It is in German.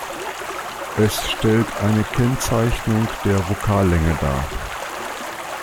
Es stellt eine Kennzeichnung der Vokallänge dar.